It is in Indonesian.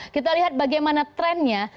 kita lihat bagaimana trennya